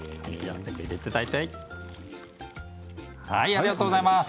ありがとうございます。